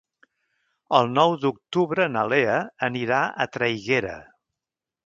El nou d'octubre na Lea anirà a Traiguera.